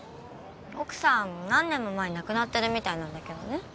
奥さん何年も前に亡くなってるみたいなんだけどね。